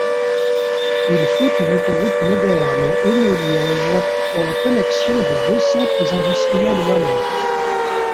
Il faut une autoroute moderne Hainaut-Liège pour la connexion des deux centres industriels wallons.